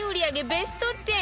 ベスト１０